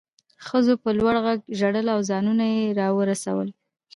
ښځو په لوړ غږ ژړل او ځانونه یې راورسول